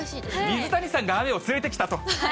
水谷さんが雨を連れてきたと。